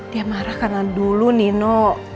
dia marah karena dulu nino